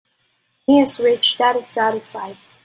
He is rich that is satisfied.